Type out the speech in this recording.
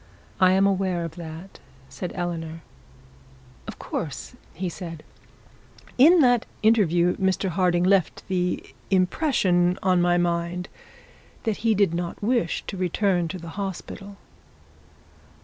'I am aware of that,' said Eleanor. 'Of course,' said he. 'In that interview Mr Harding left the impression on my mind that he did not wish to return to the hospital.'